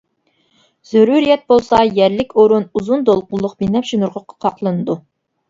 زۆرۈرىيەت بولسا يەرلىك ئورۇن ئۇزۇن دولقۇنلۇق بىنەپشە نۇرغا قاقلىنىدۇ.